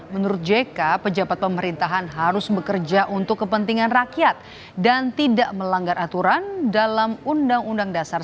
menurut jk pejabat pemerintahan harus bekerja untuk kepentingan rakyat dan tidak melanggar aturan dalam undang undang dasar seribu sembilan ratus empat puluh lima